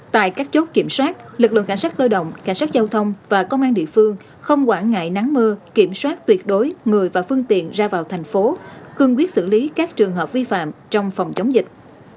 tại các chốt kiểm soát lực lượng cảnh sát cơ động cảnh sát giao thông và công an địa phương không quản ngại nắng mưa kiểm soát tuyệt đối người và phương tiện ra vào thành phố khương quyết xử lý các trường hợp vi phạm trong phòng chống dịch